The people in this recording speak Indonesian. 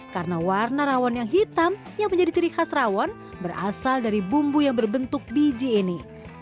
karena warna rawon yang hitam yang menjadi ciri khas rawon berasal dari bumbu yang berbentuk biji ini